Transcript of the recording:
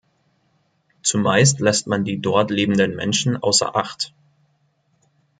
Zumeist lässt man die dort lebenden Menschen außer acht.